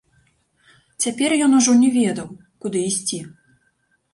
Цяпер ён ужо не ведаў, куды ісці.